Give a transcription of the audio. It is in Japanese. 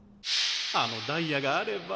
あのダイヤがあれば。